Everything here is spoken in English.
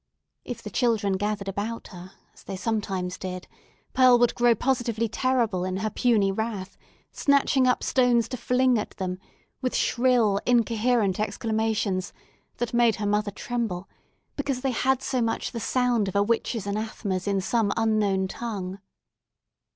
If the children gathered about her, as they sometimes did, Pearl would grow positively terrible in her puny wrath, snatching up stones to fling at them, with shrill, incoherent exclamations, that made her mother tremble, because they had so much the sound of a witch's anathemas in some unknown tongue.